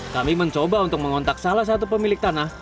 kami mencoba untuk mengontak salah satu papan